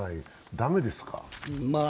駄目ですか？